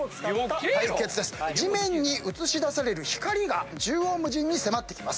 地面に映し出される光が縦横無尽に迫ってきます。